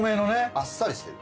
あっさりしてる。